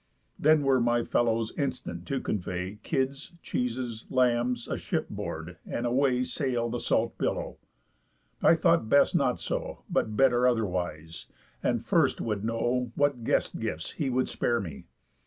Then were my fellows instant to convey Kids, cheeses, lambs, aship board, and away Sail the salt billow. I thought best not so, But better otherwise; and first would know, What guest gifts he would spare me.